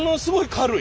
軽い？